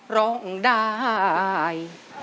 ร้องได้